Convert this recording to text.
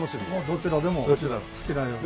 どちらでも好きなように。